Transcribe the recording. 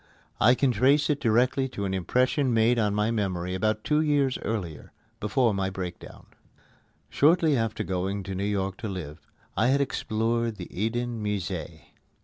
I can trace it directly to an impression made on my memory about two years earlier, before my breakdown. Shortly after going to New York to live, I had explored the Eden Musée.